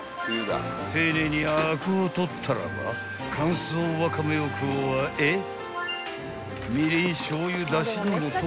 ［丁寧にあくを取ったらば乾燥ワカメを加えみりんしょう油だしの素を］